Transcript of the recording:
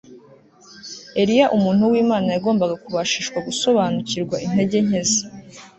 Eliya umuntu wImana yagombaga kubashishwa gusobanukirwa intege nke ze